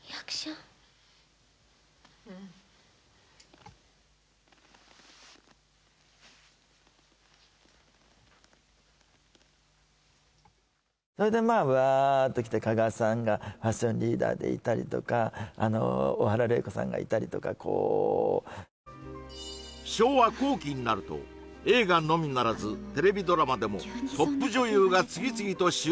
うんそれでまあわあっときて加賀さんがファッションリーダーでいたりとかあの大原麗子さんがいたりとかこう昭和後期になると映画のみならずテレビドラマでもトップ女優が次々と主演を務めるように